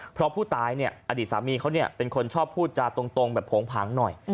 เพราะผู้ตายเนี่ยอดีตสามีเขาเนี่ยเป็นคนชอบพูดจาตรงแบบโผงผังหน่อย